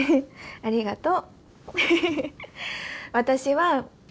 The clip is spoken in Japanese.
ありがとう」。